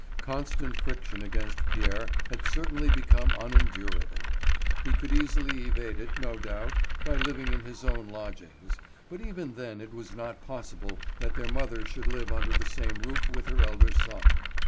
Constant friction against Pierre had certainly become unendurable. He could easily evade it, no doubt, by living in his own lodgings; but even then it was not possible that their mother should live under the same roof with her elder son.